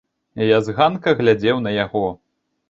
Я з ганка глядзеў на яго.